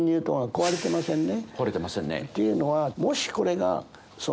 壊れてませんね。